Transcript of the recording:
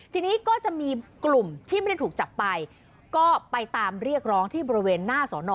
ทีนี้ก็จะมีกลุ่มที่ไม่ได้ถูกจับไปก็ไปตามเรียกร้องที่บริเวณหน้าสอนอ